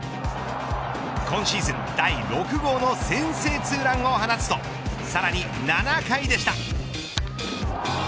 今シーズン第６号の先制ツーランを放つとさらに７回でした。